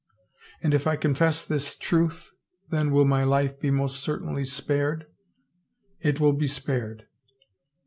" And if I confess this truth, then will my life be most certainly spared ?'*" It will be spared."